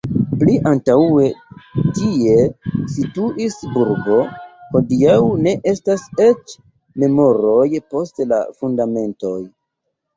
Pli antaŭe tie situis burgo, hodiaŭ ne estas eĉ memoroj post la fundamentoj.